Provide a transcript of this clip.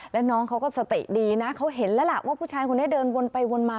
แล้วน้องเขาก็สติดีนะเขาเห็นแล้วล่ะว่าผู้ชายคนนี้เดินวนไปวนมา